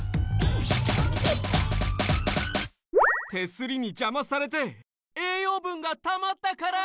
手すりにじゃまされて栄養ぶんがたまったから！